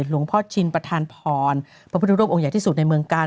ชินประธานพรพระพุทธรูปองค์ใหญ่ที่สุดในเมืองกาล